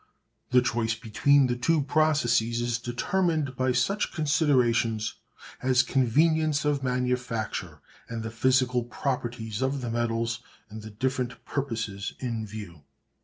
The choice between the two processes is determined by such considerations as convenience of manufacture and the physical properties of the metals, and the different purposes in view.